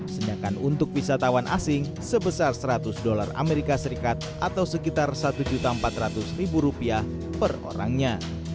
sedangkan untuk wisatawan asing sebesar seratus dolar amerika serikat atau sekitar satu empat ratus rupiah per orangnya